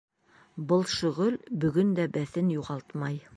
Был шөғөл бөгөн дә бәҫен юғалтмай.